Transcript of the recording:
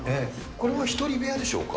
これは１人部屋でしょうか？